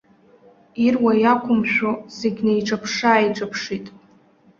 Ируа иақәымшәо зегь неиҿаԥшы-ааиҿаԥшит.